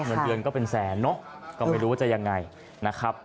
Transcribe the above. เงินเดือนก็เป็นแสนเนอะก็ไม่รู้ว่าจะยังไงนะครับ